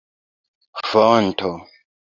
fonto